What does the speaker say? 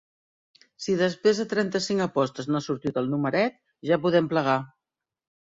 Si després de trenta-cinc apostes no ha sortit el numeret, ja podem plegar.